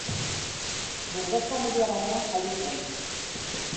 Burges familia batean jaio zen.